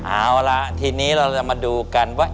เอาล่ะทีนี้เราจะมาดูกันว่า